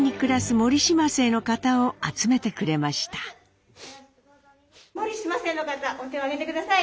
「もりしま」姓の方お手を挙げて下さい！